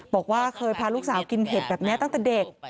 บอกว่าเคยพาลูกสาวกินเห็ดแบบนี้ตั้งแต่เด็ก